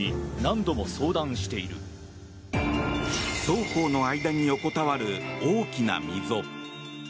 双方の間に横たわる大きな溝。